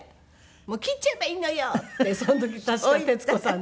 「もう切っちゃえばいいのよ！」ってその時確か徹子さんに。